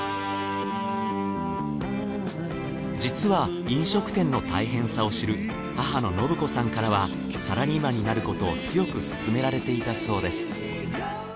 実は飲食店の大変さを知る母の亘子さんからはサラリーマンになることを強く勧められていたそうです。